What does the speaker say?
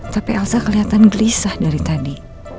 tapi elsa kelihatan gelisah dari tadi